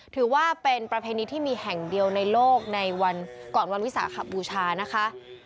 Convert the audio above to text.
ถือว่าเป็นประเพณีที่มีแห่งเดียวในโลกในวันก่อนวันวิสาขบูชานะคะ